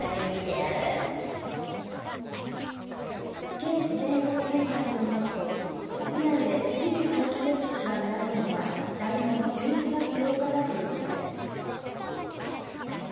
県自然保護センターによりますと国内で次に皆既月食が見られるのは来年１１月８日だということです。